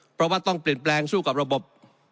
เพราะว่าต้องเปลี่ยนแปลงสู้กับระบบ